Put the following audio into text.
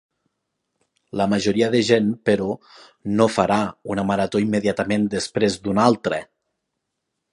La majoria de gent però, no farà una marató immediatament després d’una altra.